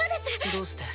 どうして？